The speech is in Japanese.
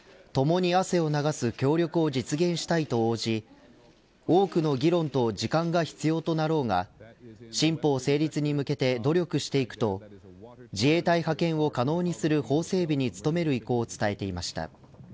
海部総理はともに汗を流す協力を実現したいと応じ多くの議論と時間が必要となろうが新法成立に向けて努力していくと自衛隊派遣を可能にする法整備に努める意向を伝えていました。